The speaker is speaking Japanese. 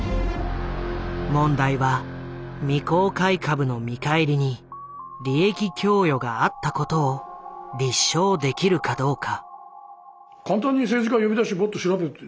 問題は未公開株の見返りに利益供与があったことを立証できるかどうか。